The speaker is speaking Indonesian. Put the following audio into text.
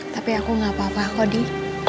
tapi aku gak apa apa kody